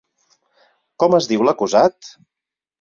Com es diu l'acusat?